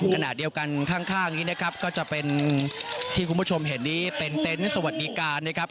ขณะเดียวกันข้างนี้นะครับก็จะเป็นที่คุณผู้ชมเห็นนี้เป็นเต็นต์สวัสดีการนะครับ